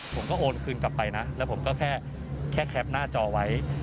โอนคืนกลับไปนะแล้วผมก็แค่แคปหน้าจอไว้